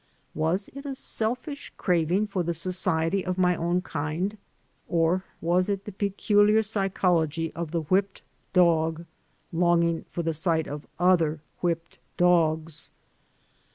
Was it a selfish craving for the society of my own kind? Or was it the peculiar psychology of the whipped dog longing for the sight of other whipped dogs?